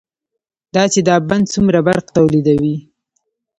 دا چې دا بند څومره برق تولیدوي،